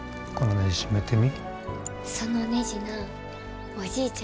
ねじ締めてみ。